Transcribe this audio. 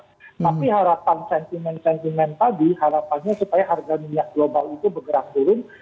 tapi harapan sentimen sentimen tadi harapannya supaya harga minyak global itu bergerak turun